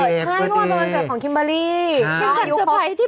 ใช่เมื่อวานเป็นวันเกิดของคิมเบอร์รี่